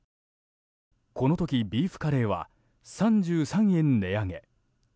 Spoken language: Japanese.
この時、ビーフカレーは３３円値上げ。